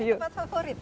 oh ini tempat favorit ya